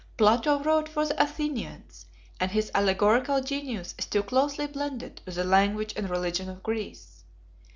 Plato wrote for the Athenians, and his allegorical genius is too closely blended with the language and religion of Greece.